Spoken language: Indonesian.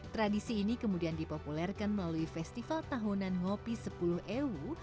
tradisi ini kemudian dipopulerkan melalui festival tahunan ngopi sepuluh ewu